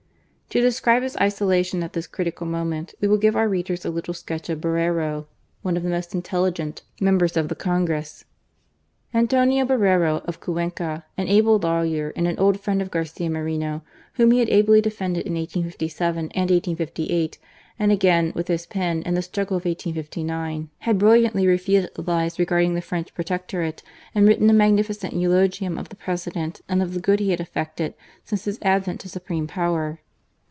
To describe his isolation at this critical moment^ we will give our readers a little sketch of Borrero, one of the most intelligent members of the Congress. : Antonio Borrero of Cuenca, an able lawyer and ' an old friend of Garcia Moreno, whom he had: ably defended in 1857 and 1858, and again, with his pen, in the struggle of 1859, had brilliantly refuted the lies regarding the French protectorate, and written a magnificent eulogium of the President and of the good he had effected since his advent to supreme power.